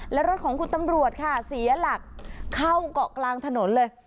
และรถของคุณตำรวจค่ะเสียหลักเข้าเกาะกลางถนนเลย